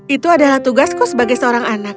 itu adalah tugasku sebagai seorang anak